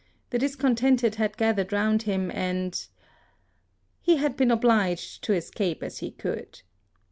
The discontented had gathered round him, and ... he had been obliged to escape as he could.